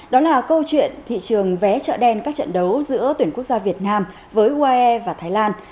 đó là câu chuyện thị trường vé chợ đen các trận đấu giữa tuyển quốc gia việt nam với uae và thái lan